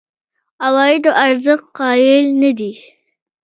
عوایدو ارزښت قایل نه دي.